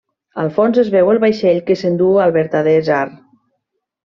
Al fons es veu el vaixell que s'enduu al vertader tsar.